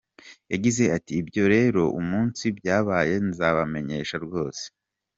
Yagize ati “Ibyo rero umunsi byabaye nzabamenyesha rwose.